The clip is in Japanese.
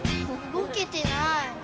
動けてない。